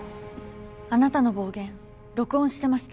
あなたの暴言録音してました。